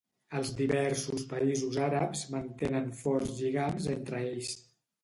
Els diversos països àrabs mantenen forts lligams entre ells.